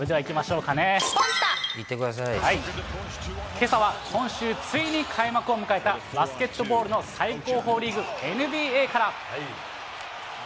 けさは今週ついに開幕を迎えた、バスケットボールの最高峰リーグ、ＮＢＡから。